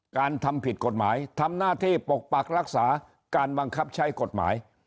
การทำผิดกฎหมายทำหน้าที่ปกปักรักษาการบังคับใช้กฎหมาย